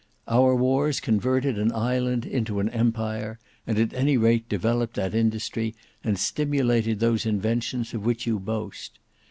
Our wars converted an island into an empire, and at any rate developed that industry and stimulated those inventions of which you boast.